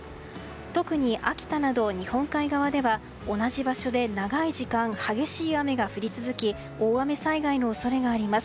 特に秋田など日本海側では同じ場所で長い時間、激しい雨が降り続き大雨災害の恐れがあります。